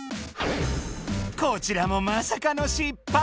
こちらもまさかの失敗！